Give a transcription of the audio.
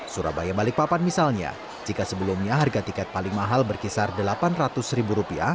surabaya balikpapan misalnya jika sebelumnya harga tiket paling mahal berkisar rp delapan ratus